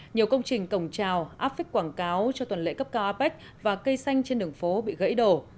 nhiều công trình cổng trào áp phích quảng cáo cho tuần lễ cấp cao apec và cây xanh trên đường phố bị gãy đổ